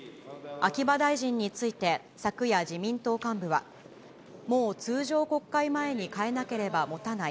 秋葉大臣について、昨夜自民党幹部は、もう通常国会前に代えなければもたない。